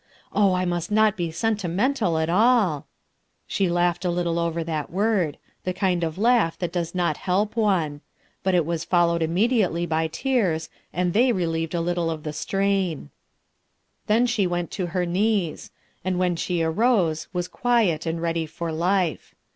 Oh, I must not be sentimental at all!" "SENTDIENTAL" PEOPLE 135 She laughed a little over that word — the kind of laugh that docs not help one; but it was followed immediately by tears, and they re lieved a little of the strain, Then she went to her knees; and when she arose, was quiet and ready for life.